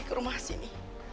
ke rumah sini